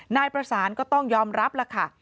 นายประสานก็ต้องยอมรับล่ะค่ะ